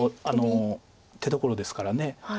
手どころですから。